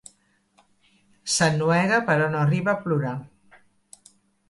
S'ennuega però no arriba a plorar.